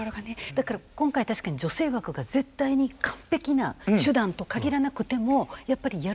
だから今回確かに女性枠が絶対に完璧な手段と限らなくてもやっぱりやる必要はあるっていう。